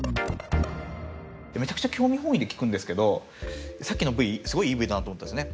めちゃくちゃ興味本位で聞くんですけどさっきのＶすごいいいＶだなと思ったんですね。